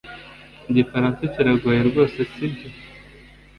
Igifaransa kiragoye rwose, sibyo?